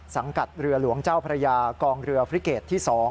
สังกัดเรือหลวงเจ้าพระยากองเรือฟริเกตที่๒